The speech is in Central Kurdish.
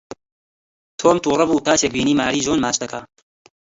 تۆم تووڕە بوو کاتێک بینی ماری جۆن ماچ دەکات.